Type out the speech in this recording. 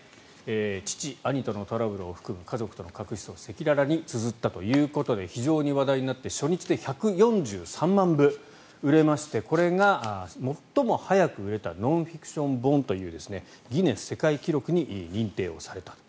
父、兄とのトラブルを含む家族との確執を赤裸々につづったということで非常に話題になって初日で１４３万部売れましてこれが最も早く売れたノンフィクション本というギネス世界記録に認定された。